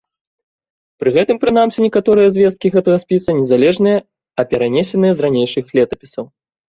Пры гэтым прынамсі некаторыя звесткі гэтага спіса не незалежныя, а перанесеныя з ранейшых летапісаў.